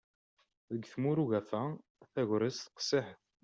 Deg tmura n ugafa, tagrest qessiḥet.